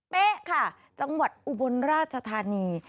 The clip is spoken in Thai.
เป๊ะค่ะจังหวัดอุบลราชธานี